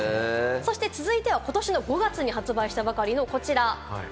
そして続いては、ことしの５月に発売したばかりのこちら。